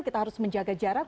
kita harus menjaga jarak